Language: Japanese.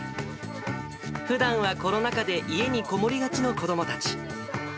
ふだんはコロナ禍で、家にこもりがちの子どもたち。